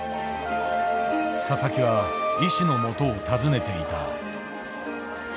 佐々木は医師のもとを訪ねていた。